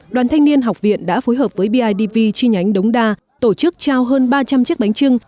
đoàn thanh niên học viện đã phối hợp với bidv chi nhánh đống đa tổ chức trao hơn ba trăm linh chiếc bánh trưng